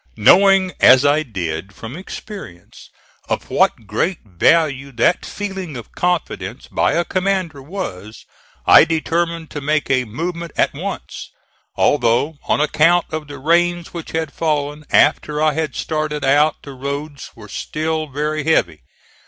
Knowing as I did from experience, of what great value that feeling of confidence by a commander was, I determined to make a movement at once, although on account of the rains which had fallen after I had started out the roads were still very heavy.